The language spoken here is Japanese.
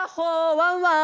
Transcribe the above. ワンワーン！